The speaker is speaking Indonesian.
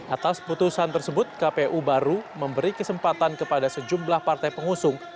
atas putusan tersebut kpu baru memberi kesempatan kepada sejumlah partai pengusung